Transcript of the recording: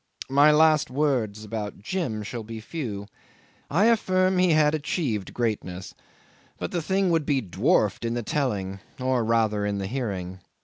My last words about Jim shall be few. I affirm he had achieved greatness; but the thing would be dwarfed in the telling, or rather in the hearing.